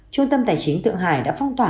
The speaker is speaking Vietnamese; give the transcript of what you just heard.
trung tâm tài chính tượng hải đã phong toả